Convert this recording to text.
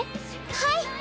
はい。